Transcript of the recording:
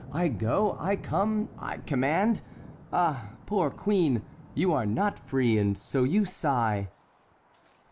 I go, I come, I command. Ah, poor queen, you are not free—and so you sigh."